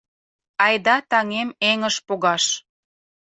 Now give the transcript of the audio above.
- Айда, таҥем, эҥыж погаш!